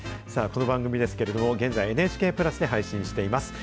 この番組ですけれども、現在、ＮＨＫプラスで配信しています。